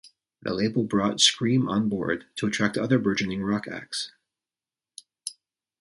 The label brought Scream on board to attract other burgeoning rock acts.